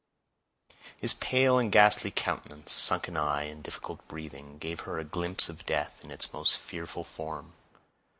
His pale and ghastly countenance, sunken eye, and difficult breathing, gave her a glimpse of death in its most fearful form.